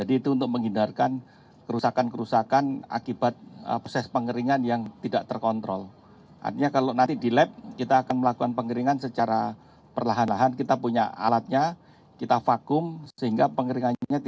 ini kan sudah terpisah dari